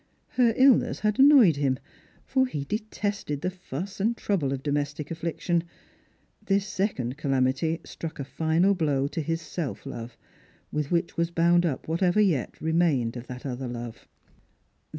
Her illness had annoyed him, for he detested the fuss and trouble of domestic afiliction. This second calamity struck a final blow to his self love, with which was bound up whatever yet remained of that other love.